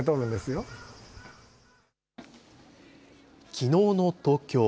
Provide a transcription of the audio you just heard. きのうの東京。